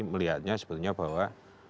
melihatnya sebetulnya bahwa